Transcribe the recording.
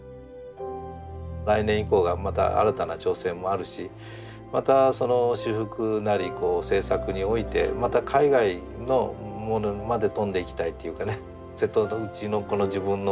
来年以降がまた新たな挑戦もあるしまたその修復なり制作においてまた海外のものまで飛んでいきたいというかね。